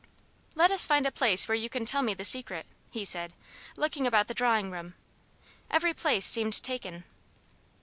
"Let us find a place where you can tell me the Secret," he said, looking about the drawing room. Every place seemed taken.